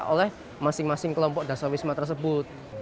oleh masing masing kelompok dasawisma tersebut